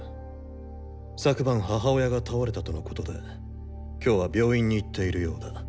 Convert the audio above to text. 昨晩母親が倒れたとのことで今日は病院に行っているようだ。